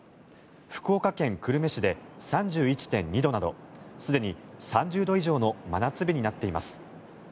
福岡県久留米市で３１．２度などすでに３０度以上の真夏日になっています。